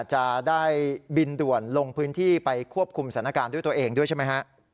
จะได้บินด่วนลงพื้นที่ไปควบคุมสถานการณ์ด้วยตัวเองด้วยใช่ไหมฮะ